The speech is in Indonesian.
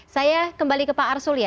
saya kembali ke pak arsul ya